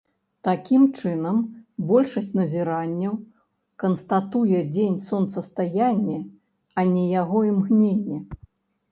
Такім чынам, большасць назіранняў канстатуе дзень сонцастаяння, а не яго імгненне.